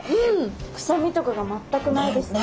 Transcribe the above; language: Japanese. くさみとかが全くないですね。